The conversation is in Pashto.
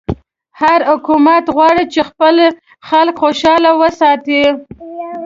هر حکومت غواړي چې خپل خلک خوشحاله وساتي.